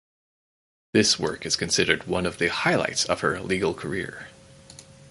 This work is considered one the highlights of her legal career.